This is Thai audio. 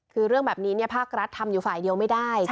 คือเรื่องแบบนี้ภาครัฐทำอยู่ฝ่ายเดียวไม่ได้